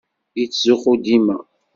Yettzuxxu dima.